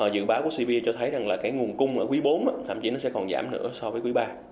dự báo của cp cho thấy rằng là cái nguồn cung ở quý bốn thậm chí nó sẽ còn giảm nữa so với quý ba